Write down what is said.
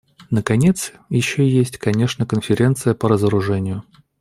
Наконец, еще есть, конечно, Конференция по разоружению.